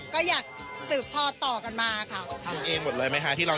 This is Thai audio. ก็อยากสืบพอดต่อกันมาค่ะทั้งเองหมดเลยไหมค่ะที่เรา